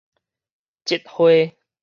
織花